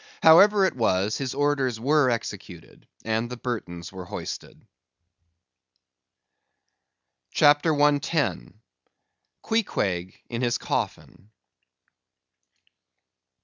However it was, his orders were executed; and the Burtons were hoisted. CHAPTER 110. Queequeg in His Coffin.